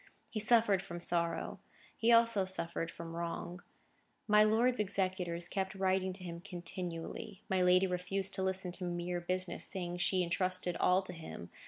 He suffered from sorrow. He also suffered from wrong. My lord's executors kept writing to him continually. My lady refused to listen to mere business, saying she intrusted all to him.